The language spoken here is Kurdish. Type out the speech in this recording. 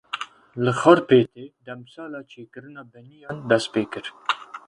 Li Xarpêtê demsala çêkirina beniyan dest pê kir.